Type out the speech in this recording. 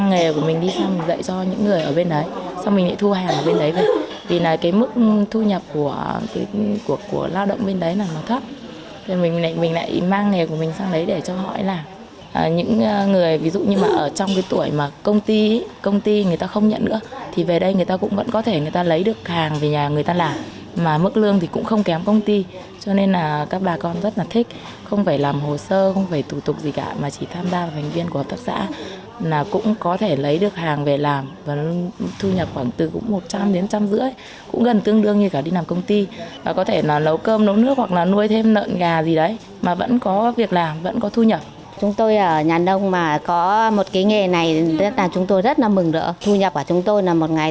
hợp tác xã hợp tác xã hợp tác xã hợp tác xã hợp tác xã hợp tác xã hợp tác xã hợp tác xã hợp tác xã hợp tác xã hợp tác xã hợp tác xã hợp tác xã hợp tác xã hợp tác xã hợp tác xã hợp tác xã hợp tác xã hợp tác xã hợp tác xã hợp tác xã hợp tác xã hợp tác xã hợp tác xã hợp tác xã hợp tác xã hợp tác xã hợp tác xã hợp tác xã hợp tác xã hợp tác xã hợp tác x